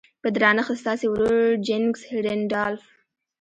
په درنښت ستاسې ورور جيننګز رينډالف.